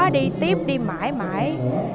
đi tiếp đi mãi mãi